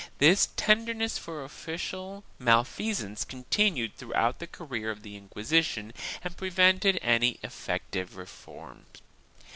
This tenderness for official malfeasance continued throughout the career of the Inquisition and prevented any effective reform.